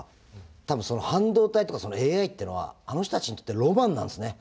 多分半導体とかＡＩってのはあの人たちにとってロマンなんですね。